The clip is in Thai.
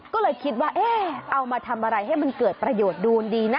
ก็เลยคิดว่าเอ๊ะเอามาทำอะไรให้มันเกิดประโยชน์ดูดีนะ